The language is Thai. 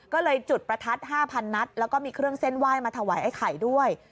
ก็เลยจุดประทัด๕๐๐นัดแล้วก็มีเครื่องเส้นไหว้มาถวายไอ้ไข่ด้วย